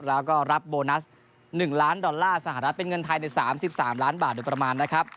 แล้วก็รับโบนัส๑ล้านดอลลาร์สหรัฐเป็นเงินไทยใน๓๓ล้านบาทโดยประมาณนะครับ